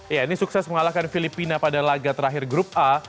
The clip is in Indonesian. ya ini sukses mengalahkan filipina pada laga terakhir grup a